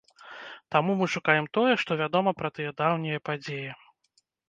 Таму мы шукаем тое, што вядома пра тыя даўнія падзеі.